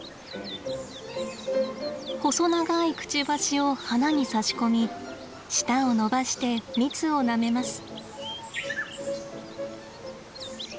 細長いくちばしを花にさし込み舌を伸ばして蜜をなめます。